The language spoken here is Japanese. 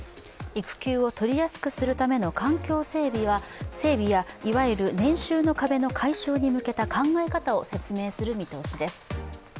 育休を取りやすくするための環境整備やいわゆる年収の壁の解消に向けた考え方を説明する見通しです。